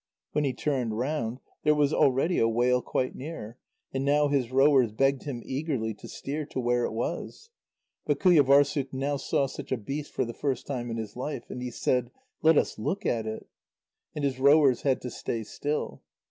When he turned round, there was already a whale quite near, and now his rowers begged him eagerly to steer to where it was. But Qujâvârssuk now saw such a beast for the first time in his life. And he said: "Let us look at it." And his rowers had to stay still.